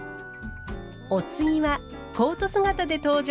お次はコート姿で登場。